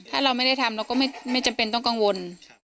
ถ้าเราไม่ได้ทำเราก็ไม่จำเป็นต้องกังวล